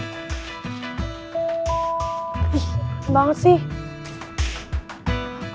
ini ga maksimal